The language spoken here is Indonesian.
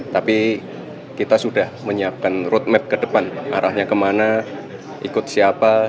tapi kita sudah menyiapkan roadmap ke depan arahnya kemana ikut siapa